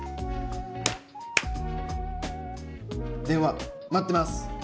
電話待ってます